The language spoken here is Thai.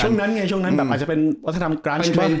ช่วงนั้นไงช่วงนั้นแบบอาจจะเป็นวัฒนธรรมกลาง